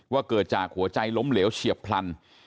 เกิดจากหัวใจล้มเหลวเฉียบพลัน